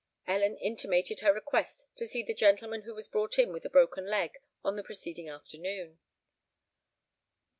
Ellen intimated her request to see the gentleman who was brought in with a broken leg on the preceding afternoon.